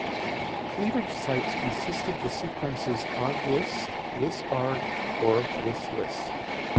Cleavage sites consist of the sequences Arg-Lys, Lys-Arg, or Lys-Lys.